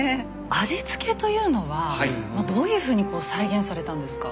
味付けというのはどういうふうに再現されたんですか？